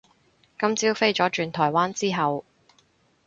今朝飛咗轉台灣之後